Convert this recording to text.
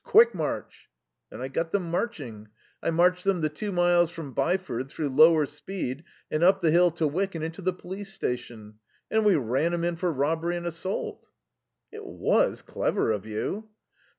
Quick march!' "And I got them marching. I marched them the two miles from Byford, through Lower Speed, and up the hill to Wyck and into the police station. And we ran 'em in for robbery and assault." "It was clever of you."